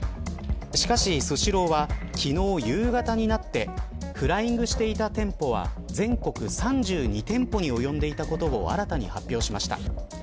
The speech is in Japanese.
しかし、スシローは昨日夕方になってフライングしていた店舗は全国３２店舗に及んでいたことを新たに発表しました。